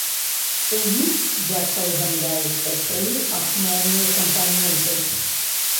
У ім, як паведамляецца, тры асноўныя кампаненты.